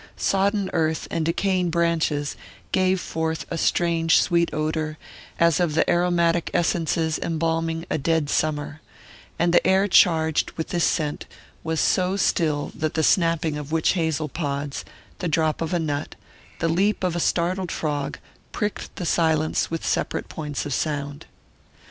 Sodden earth and decaying branches gave forth a strange sweet odour, as of the aromatic essences embalming a dead summer; and the air charged with this scent was so still that the snapping of witch hazel pods, the drop of a nut, the leap of a startled frog, pricked the silence with separate points of sound.